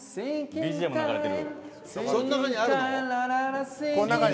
ＢＧＭ流れてる。